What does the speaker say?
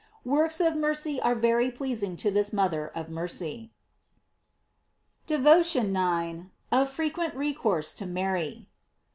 Works of mercy are very pleasing to this mother of mercy. DEVOTION IX. — OF FREQUENT RECOURSE TO MARY.